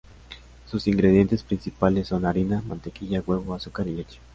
Sus ingredientes principales son: harina, mantequilla, huevo, azúcar y leche.